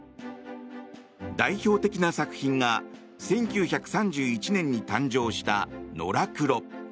代表的な作品が１９３１年に誕生した「のらくろ」。